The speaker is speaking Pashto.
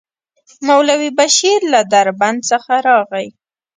مولوي بشير له دربند څخه راغی.